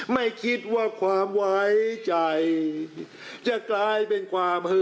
ไม่คิดว่าความไว้ใจจะกลายเป็นความฮือ